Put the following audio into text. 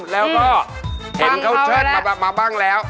แล้วก็เห็นเขาเชิดกลับมาบ้างแล้ว